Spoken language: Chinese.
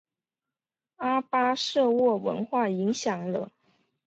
阿巴舍沃文化影响了。